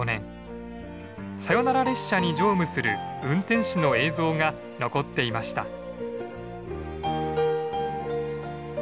サヨナラ列車に乗務する運転士の映像が残っていました。